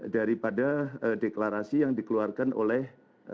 daripada deklarasi yang dikeluarkan oleh